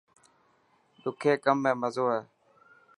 ڏکي ڪم ۾ مزو هي.